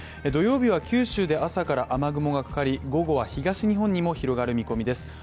土曜日は九州で朝から雨雲がかかり午後は東日本にも広がる見込みです。